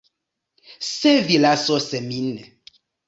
Se vi lasos min.